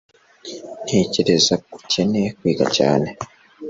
Ntekereza ko ukeneye kwiga cyane.